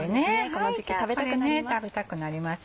この時期食べたくなります。